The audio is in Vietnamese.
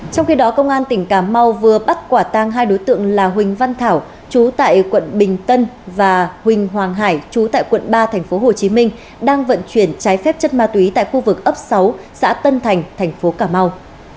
trong khi đó công an tỉnh cà mau vừa bắt quả tăng hai đối tượng là huỳnh văn thảo trú tại quận bình tân và huỳnh hoàng hải trú tại quận ba tp hcm đang vận chuyển trái phép chất ma túy tại khu vực ấp sáu xã tân thành tp ca mau